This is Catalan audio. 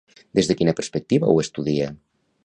Des de quina perspectiva ho estudia?